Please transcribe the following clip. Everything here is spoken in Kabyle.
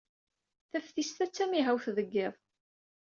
Taftist-a d tamihawt deg yiḍ.